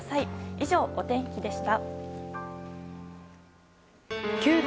以上、お天気でした。